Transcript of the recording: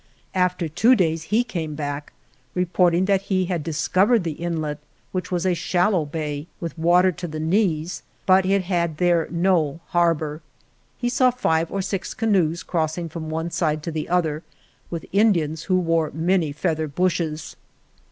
After two days he came back, reporting that he had discovered the inlet, which was a shal low bay, with water to the knees, but it had there no harbor. He saw five or six canoes crossing from one side to the other, with Indians who wore many feather bushes.